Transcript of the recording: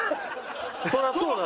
そりゃそうだ。